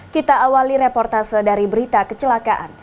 kita awali reportase dari berita kecelakaan